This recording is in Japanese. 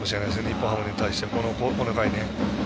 日本ハムに対してこの回ね。